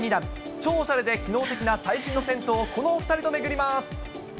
超おしゃれで機能的な最新の銭湯をこのお２人と巡ります。